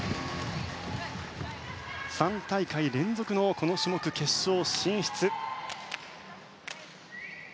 ３大会連続のこの種目、決勝進出。